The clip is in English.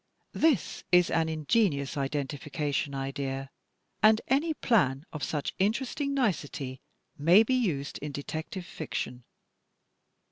This is an ingenious identi fication idea and any plan of such interesting nicety may be used in detective fiction.